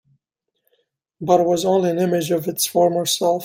But it was only an image of its former self.